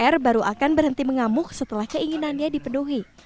r baru akan berhenti mengamuk setelah keinginannya dipenuhi